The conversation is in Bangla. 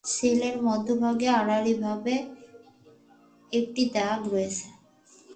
সেল এর মধ্যভাগে আড়াআড়ি ভাবে একটি দাগ রয়েছে।